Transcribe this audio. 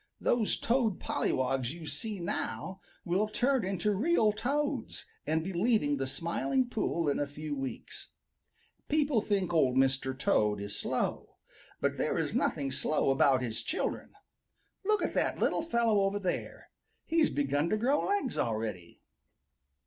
Those Toad pollywogs you see now will turn into real Toads, and be leaving the Smiling Pool in a few weeks. People think Old Mr. Toad is slow, but there is nothing slow about his children. Look at that little fellow over there; he's begun to grow legs already."